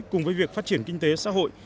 cùng với việc phát triển kinh tế xã hội